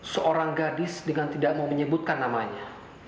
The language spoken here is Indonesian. seorang gadis dengan tidak mau menyebutkan namanya